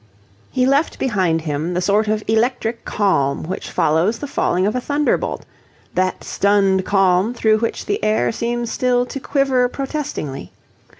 He left behind him the sort of electric calm which follows the falling of a thunderbolt; that stunned calm through which the air seems still to quiver protestingly.